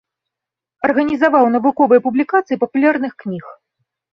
Арганізаваў навуковыя публікацыі папулярных кніг.